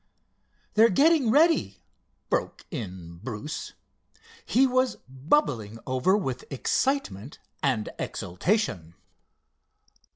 "They're getting ready," broke in Bruce. He was bubbling over with excitement and exultation.